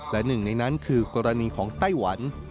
และหนึ่งในนั้นคือกรณีของไต้หวัน